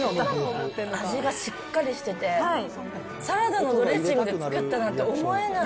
味がしっかりしてて、サラダのドレッシングで作ったなんて思えない。